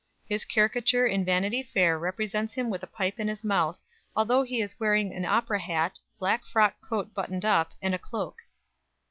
His caricature in "Vanity Fair" represents him with a pipe in his mouth, although he is wearing an opera hat, black frock coat buttoned up, and a cloak.